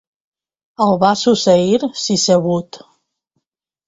El va succeir Sisebut.